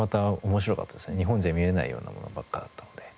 日本じゃ見られないような物ばっかりだったので。